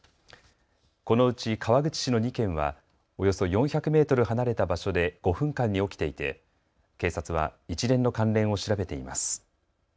このうち川口市の２件はおよそ４００メートル離れた場所で５分間に起きていて警察は一連の関連を調べています。